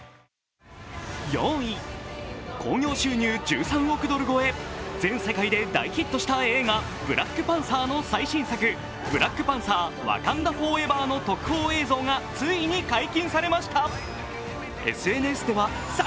４位、興行収入１３億ドル超え、全世界で大ヒットした映画「ブラックパンサー」の最新作「ブラックパンサー／ワガンダ・フォーエバー」の映像がついに解禁されました。